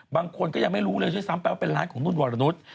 บางคนก็ยังไม่รู้เลยด้วยซ้ำไปว่าเป็นร้านของนุ่นวรนุษย์